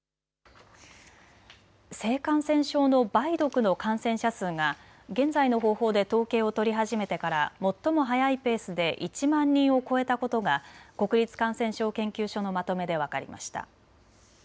性感染症の梅毒の感染者数が現在の方法で統計を取り始めてから最も速いペースで１万人を超えたことが国立感染症研究所のまとめで分かりました。